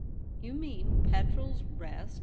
* You mean Petrel's Rest ?'